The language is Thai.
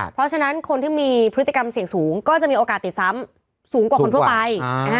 เพราะฉะนั้นคนที่มีพฤติกรรมเสี่ยงสูงก็จะมีโอกาสติดซ้ำสูงกว่าคนทั่วไป